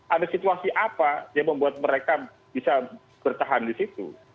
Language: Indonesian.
ada situasi apa yang membuat mereka bisa bertahan di situ